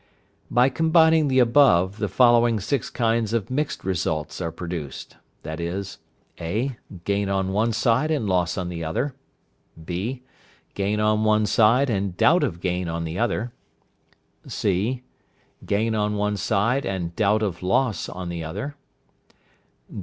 By combining the above, the following six kinds of mixed results are produced, viz.: (a). Gain on one side, and loss on the other. (b). Gain on one side, and doubt of gain on the other. (c). Gain on one side, and doubt of loss on the other.